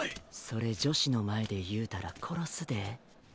それ女子の前で言うたら殺すで。